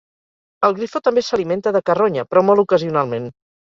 El grifó també s'alimenta de carronya, però molt ocasionalment.